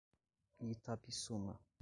Itapissuma